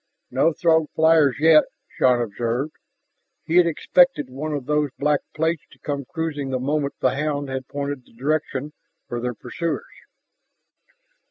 "No Throg flyers yet," Shann observed. He had expected one of those black plates to come cruising the moment the hound had pointed the direction for their pursuers.